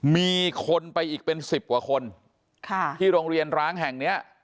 มีคนไปอีกเป็นสิบกว่าคนที่โรงเรียนร้างแห่งเนี้ย